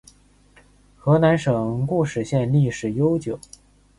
河南省固始县历史悠久